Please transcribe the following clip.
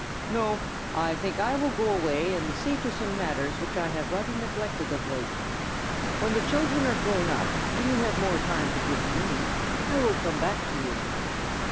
No, I think I will go away and see to some matters which I have rather neglected of late. When the children are grown up and you have more time to give me, I will come back to you."